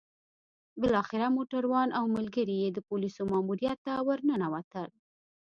بالاخره موټروان او ملګري يې د پوليسو ماموريت ته ورننوتل.